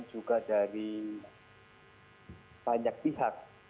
juga dari banyak pihak